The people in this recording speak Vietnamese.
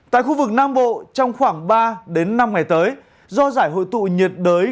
tại khu vực nam bộ trong khoảng ba năm ngày tới do rải hội tụ nhiệt đới